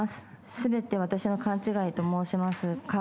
全て私の勘違いと申しますか。